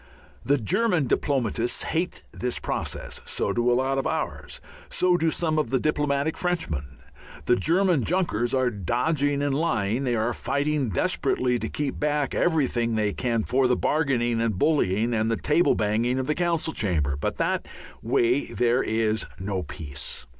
The German diplomatists hate this process. So do a lot of ours. So do some of the diplomatic Frenchmen. The German junkers are dodging and lying, they are fighting desperately to keep back everything they possibly can for the bargaining and bullying and table banging of the council chamber, but that way there is no peace.